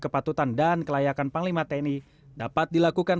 kepada siapa tongkat komando panglima tni akan menentukan